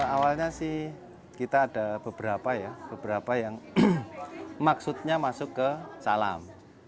awalnya sih kita ada beberapa ya beberapa yang maksudnya masuk ke salam